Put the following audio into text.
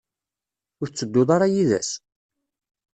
Ur tettedduḍ ara yid-s?